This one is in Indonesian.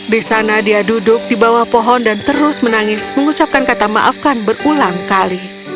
di sana dia duduk di bawah pohon dan terus menangis mengucapkan kata maafkan berulang kali